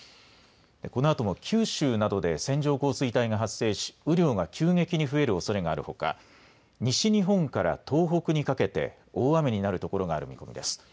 このあとも九州などで線状降水帯が発生し雨量が急激に増えるおそれがあるほか西日本から東北にかけて大雨になるところがある見込みです。